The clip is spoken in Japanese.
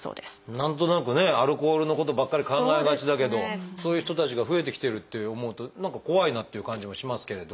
何となくねアルコールのことばっかり考えがちだけどそういう人たちが増えてきているって思うと何か怖いなっていう感じもしますけれど。